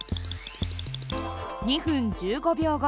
２分１５秒後。